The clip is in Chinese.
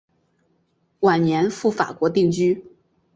晚年赴法国定居。